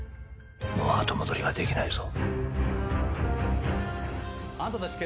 もう後戻りはできないぞ。